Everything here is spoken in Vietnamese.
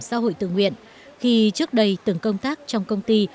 xã hội tự nguyện khi trước đây từng công tác trong công ty